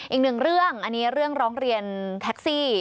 อีกหนึ่งเรื่องอันนี้เรื่องร้องเรียนแท็กซี่